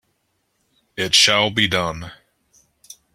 It shall be done!